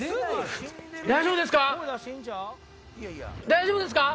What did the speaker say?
大丈夫ですか？